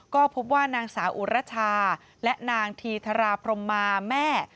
ก็พบว่านางสาวอุรชาและนางธีธาราพรมมาแม่